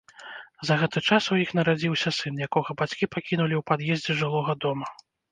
За гэты час у іх нарадзіўся сын, якога бацькі пакінулі ў пад'ездзе жылога дома.